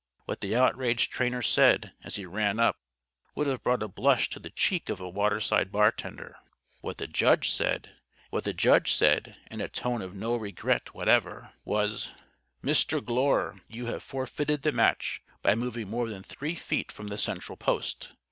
What the outraged trainer said, as he ran up, would have brought a blush to the cheek of a waterside bartender. What the judge said (in a tone of no regret, whatever) was: "Mr. Glure, you have forfeited the match by moving more than three feet from the central post.